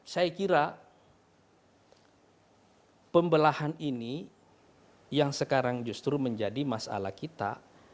saya kira pembelahan ini yang sekarang justru menjadi masalah kita